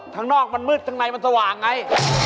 ข้างนอกมันมืดข้างในมันสว่างไง